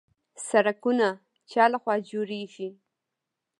سړکونه چا لخوا جوړیږي؟